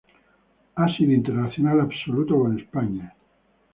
Ha sido internacional absoluto con España.